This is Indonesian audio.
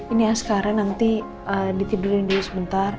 ini askara nanti ditidurin dulu sebentar